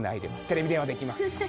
テレビ電話できます。